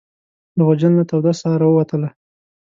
له غوجل نه توده ساه راووتله.